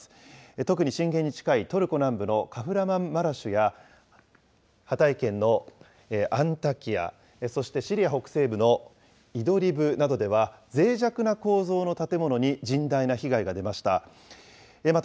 特に震源に近いトルコ南部のカフラマンマラシュや、ハタイ県のアンタキヤ、そしてシリア北西部のイドリブなどでは、ぜい弱な構造の建物に甚大な被害が出ました。